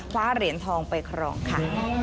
คว้าเหรียญทองไปครองค่ะ